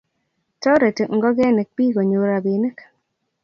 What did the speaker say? Toreti ngokenik biik konyor rapinik